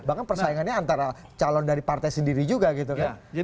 bahkan persaingannya antara calon dari partai sendiri juga gitu kan